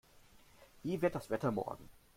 Wie wird das Wetter morgen?